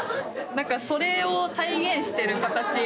なんかそれを体現してる形。